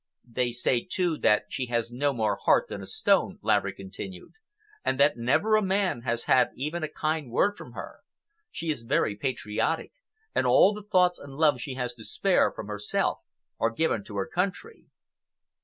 "They say, too, that she has no more heart than a stone," Laverick continued, "and that never a man has had even a kind word from her. She is very patriotic, and all the thoughts and love she has to spare from herself are given to her country."